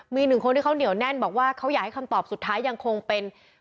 มีหนึ่งคนที่เขาเหนียวแน่นบอกว่าเขาอยากให้คำตอบสุดท้ายยังคงเป็น